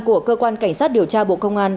của cơ quan cảnh sát điều tra bộ công an